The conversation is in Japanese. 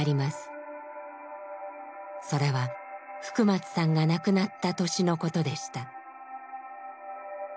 それは福松さんが亡くなった年のことでした。